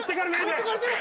持ってかれてる！